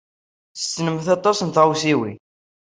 Ssnent aṭas n tɣaswiwin.